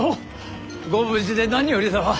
ご無事で何よりだわ。